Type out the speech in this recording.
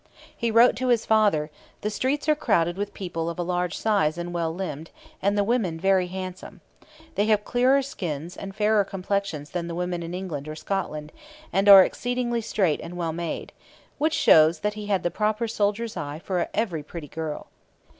He wrote to his father: 'The streets are crowded with people of a large size and well limbed, and the women very handsome. They have clearer skins, and fairer complexions than the women in England or Scotland, and are exceeding straight and well made'; which shows that he had the proper soldier's eye for every pretty girl.